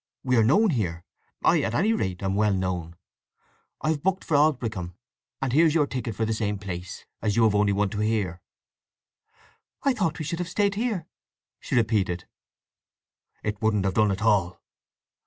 We are known here—I, at any rate, am well known. I've booked for Aldbrickham; and here's your ticket for the same place, as you have only one to here." "I thought we should have stayed here," she repeated. "It wouldn't have done at all."